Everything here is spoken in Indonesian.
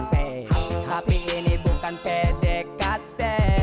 tapi ini bukan pdkt